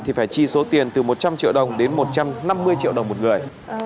thì phải chi số tiền từ một trăm linh triệu đồng đến một trăm năm mươi triệu đồng một người